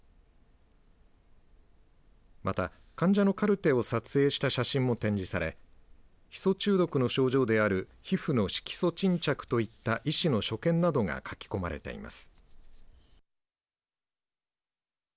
また、患者のカルテを撮影した写真も展示されヒ素中毒の症状である皮膚の色素沈着といった医師の所見などが書き込まれています。